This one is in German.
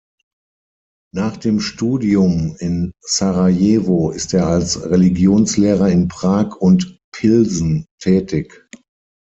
Nach dem Studium in Sarajewo ist er als Religionslehrer in Prag und Pilsen tätig.